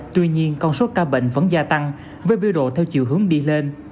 tuy nhiên con số ca bệnh vẫn gia tăng với biêu độ theo chiều hướng đi lên